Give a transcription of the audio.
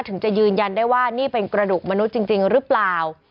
ถึงจะยืนยันได้ว่านี่เป็นกระดูกมนุษย์จริงหรือเปล่า